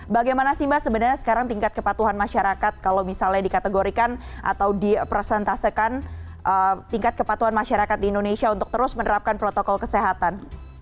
bagaimana sih mbak sebenarnya sekarang tingkat kepatuhan masyarakat kalau misalnya dikategorikan atau dipresentasekan tingkat kepatuhan masyarakat di indonesia untuk terus menerapkan protokol kesehatan